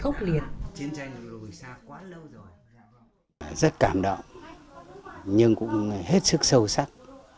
chiến tranh đã lùi xa quá lâu rồi rất cảm động nhưng cũng hết sức sâu sắc